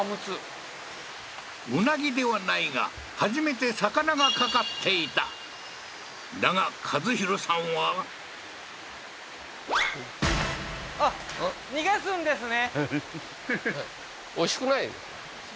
鰻ではないが初めて魚が掛かっていただが和宏さんはあっ逃がすんですね